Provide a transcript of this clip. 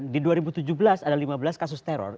di dua ribu tujuh belas ada lima belas kasus teror